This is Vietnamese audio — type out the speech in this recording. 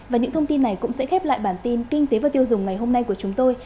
và những thông tin này cũng sẽ khép lại bản tin kinh tế và tiêu dùng ngày hôm nay của chúng tôi